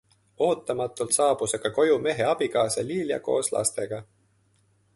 Ootamatult saabus aga koju mehe abikaasa Lilia koos lastega.